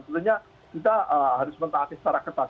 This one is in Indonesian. sebenarnya kita harus mentaati secara ketat